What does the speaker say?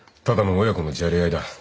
ただの親子のじゃれ合いだ。